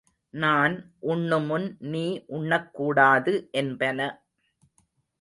நான் உண்ணுமுன் நீ உண்ணக் கூடாது என்பன.